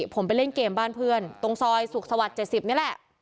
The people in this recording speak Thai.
ผมไปเล่นเกมบ้านเพื่อนตรงซอยสุขสวรรค์๗๐นี่แหละ